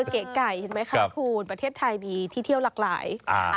เก๋ไก่เห็นไหมคะคุณประเทศไทยมีที่เที่ยวหลากหลาย